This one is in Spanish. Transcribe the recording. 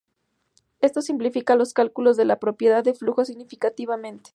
Esto simplifica los cálculos de las propiedades de flujo significativamente.